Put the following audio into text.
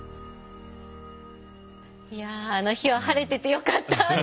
いやあの日は晴れててよかったと思いますね。